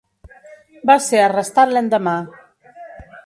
Va ser arrestat l'endemà.